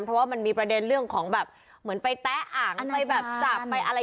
เพราะว่ามันมีประเด็นเรื่องของแบบเหมือนไปแตะอ่างไปแบบจับไปอะไร